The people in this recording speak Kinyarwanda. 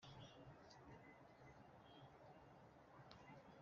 ibikorwa byawo mu Rwanda hose